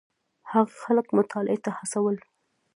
هغه خلک مطالعې ته هڅول.